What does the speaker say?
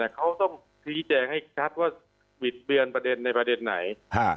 เขาต้องชี้แจงให้ชัดว่าบิดเบือนประเด็นในประเด็นไหน